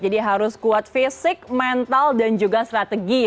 jadi harus kuat fisik mental dan juga strategi